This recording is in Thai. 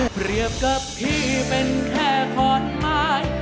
เปรียบกับพี่เป็นแค่ขอนไม้